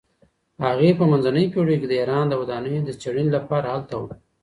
هغې په منځنیو پیړیو کې د ایران د ودانیو د څیړنې لپاره هلته وه.